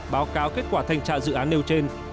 báo cáo kết quả thanh tra dự án nêu trên